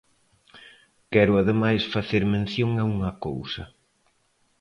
Quero ademais facer mención a unha cousa.